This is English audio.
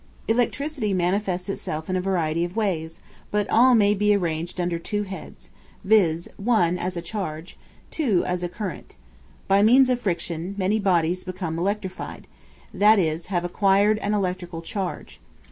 Electricity manifests itself in a variety of ways, but all may be arranged under two heads, viz., 1, as a charge; 2, as a current. By means of friction, many bodies become electrified that is, have acquired an electrical charge.